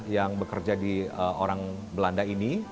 yang bekerja di orang belanda ini